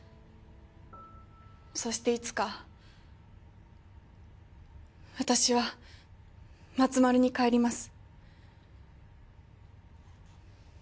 そしていつか私はまつまるに帰ります。